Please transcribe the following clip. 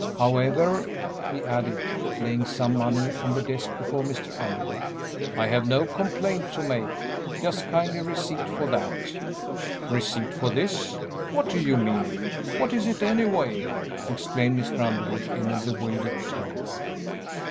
However," he added, laying some money on the desk before Mr. Underwood, "I have no complaint to make. Just kindly receipt for that." "Receipt for this! What do you mean? What is it, anyway?" exclaimed Mr. Underwood, in a bewildered tone.